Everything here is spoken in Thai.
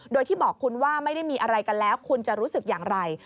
โดยที่บอกคุณว่าไม่ได้มีอะไรกันแล้วคุณจะรู้สึกอย่างไร